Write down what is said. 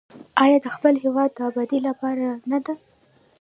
آیا د خپل هیواد د ابادۍ لپاره نه ده؟